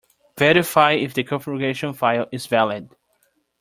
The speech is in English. Verify if the configuration file is valid.